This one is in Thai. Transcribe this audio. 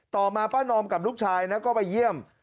ต่อมาป้านอมกับลูกชายนะก็ไปเยี่ยม